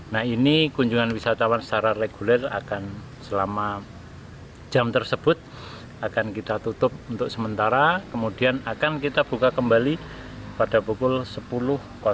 nah ini kunjungan wisatawan secara reguler akan selama jam tersebut akan kita tutup untuk sementara kemudian akan kita buka kembali pada pukul sepuluh